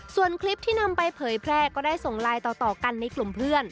ส่วนคลิปที่นำไปเผยแพร่ก็ได้ส่งไลน์ต่อกันในกลุ่มเพื่อน